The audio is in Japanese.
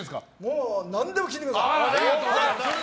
もう何でも聞いてください！